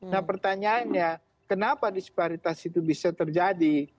nah pertanyaannya kenapa disparitas itu bisa terjadi